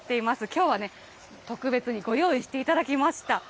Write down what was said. きょうは特別にご用意していただきました。